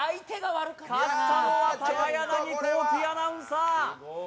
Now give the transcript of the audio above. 勝ったのは高柳光希アナウンサー。